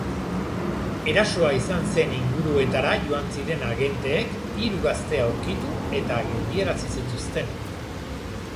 Erasoa izan zen inguruetara joan ziren agenteek hiru gazte aurkitu eta geldiarazi zituzten.